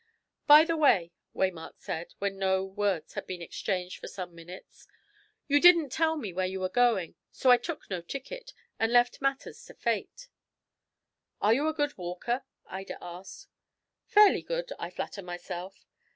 "By the by," Waymark said, when no words had been exchanged for some minutes, "you didn't tell me where you were going; so I took no ticket, and left matters to fate." "Are you a good walker?" Ida asked. "Fairly good, I flatter myself."